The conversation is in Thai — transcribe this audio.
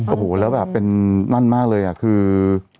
โอ้โหแล้วแบบเป็นนั่นมากเลยอ่ะคือ